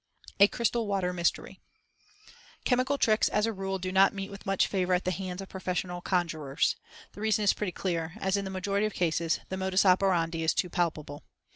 A Crystal Water Mystery.—Chemical tricks, as a rule, do not meet with much favor at the hands of professional conjurers. The reason is pretty clear, as in the majority of cases, the modus operandi is too palpable.